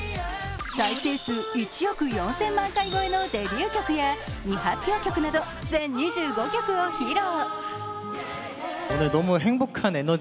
再生数１億４０００万回超えのデビュー曲や未発表曲など全２５曲を披露。